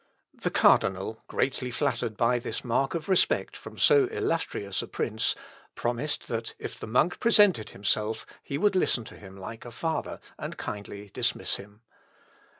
The cardinal, greatly flattered by this mark of respect from so illustrious a prince, promised that if the monk presented himself he would listen to him like a father, and kindly dismiss him.